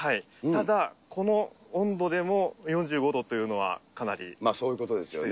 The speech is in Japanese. ただ、この温度でも４５度というのは、そういうことですよね。